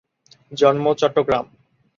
জন্ম: চট্টগ্রাম।